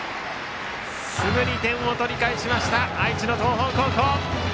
すぐに点を取り返しました愛知の東邦高校！